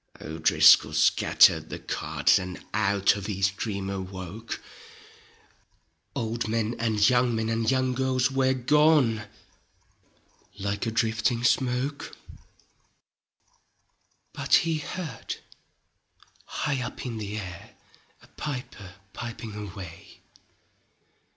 O'DriscoU scattered the cards And out of his dream awoke: Old men and young men and young girls Were gone like a drifting smoke; Bnt he heard high up in the air A piper piping away.